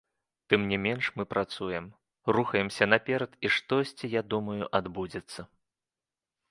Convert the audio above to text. Тым не менш мы працуем, рухаемся наперад і штосьці, я думаю, адбудзецца.